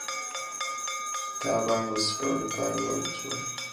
The album was supported by a world tour.